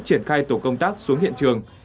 triển khai tổ công tác xuống hiện trường